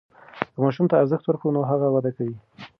که ماسوم ته ارزښت ورکړو نو هغه وده کوي.